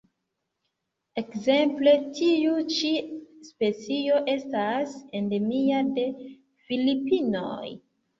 Ekzemple tiu ĉi specio estas endemia de Filipinoj.